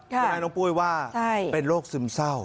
อย่างที่น้องปุ๊ยว่าเป็นโรคซึมเศร้า